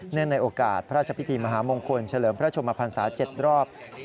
เนื่องในโอกาสพระราชพิธีมหาโมงคลเฉลิมพระชมพันศาสตร์๗รอบ